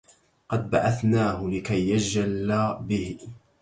قد بعثناه لكي يجلى به